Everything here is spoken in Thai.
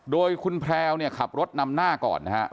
โดยคุณแพลวขับรถนำหน้าก่อนนะครับ